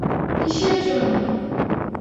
কীসের জন্য?